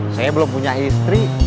saya belum punya istri